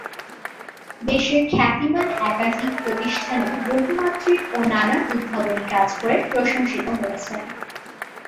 দেশের খ্যাতিমান একাধিক প্রতিষ্ঠানে বহুমাত্রিক ও নানান উদ্ভাবনী কাজ করে প্রশংসিত হয়েছেন।